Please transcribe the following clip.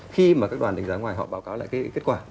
khi mà các đoàn đánh giá ngoài họ báo cáo lại cái kết quả